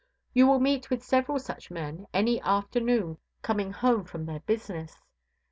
You will meet with several such men any afternoon coming home from their business.